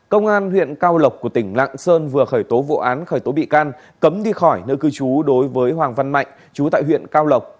công an huyện cao lộc của tỉnh lạng sơn vừa khởi tố vụ án khởi tố bị can cấm đi khỏi nơi cư trú đối với hoàng văn mạnh chú tại huyện cao lộc